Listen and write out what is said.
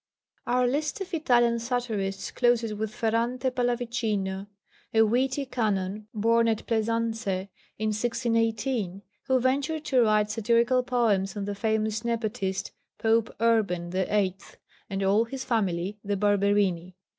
_ Our list of Italian satirists closes with Ferrante Pallavicino, a witty Canon, born at Plaisance in 1618, who ventured to write satirical poems on the famous nepotist, Pope Urban VIII., and all his family, the Barberini.